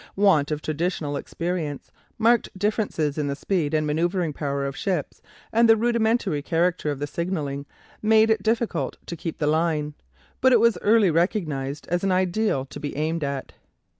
Want of traditional experience, marked differences in the speed and manoeuvring power of ships, and the rudimentary character of the signalling, made it difficult to keep the line, but it was early recognized as an ideal to be aimed at.